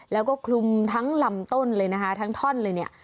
แล้วก็คลุมทั้งลำต้นเลยนะคะทั้งท่อนเลยเนี่ย